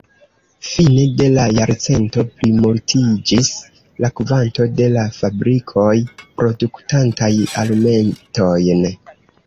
Fine de la jarcento plimultiĝis la kvanto de la fabrikoj produktantaj alumetojn.